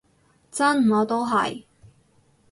真，我都係